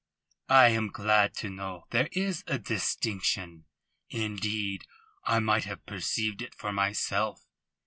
"I am glad to know there is a distinction. Indeed I might have perceived it for myself.